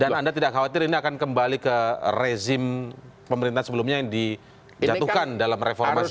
dan anda tidak khawatir ini akan kembali ke rezim pemerintah sebelumnya yang dijatuhkan dalam reformasi sembilan puluh delapan